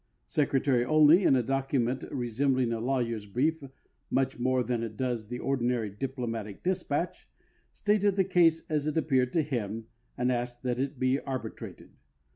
Secretary OIney, in a document resembling a laAvyer's brief much more than it does the ordinar}^ diplomatic dispatch, stated the case as it appeared to him and asked that it be arbitrated.